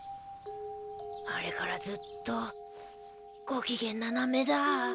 あれからずっとごきげんななめだ。